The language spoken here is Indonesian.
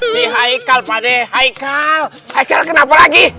si haikal pade haikal kenapa lagi